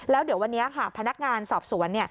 แล้วเดี๋ยววันนี้หากพนักงานสอบสวน